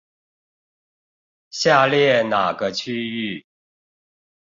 下列哪個區域